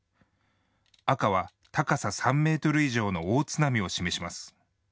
赤は高さ３メートル以上の大津波を示します。